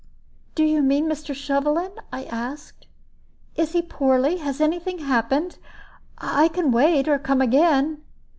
"Do you mean Mr. Shovelin?" I asked. "Is he poorly? Has any thing happened? I can wait, or come again."